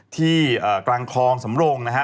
ที่กลางคลองสำรงนะฮะ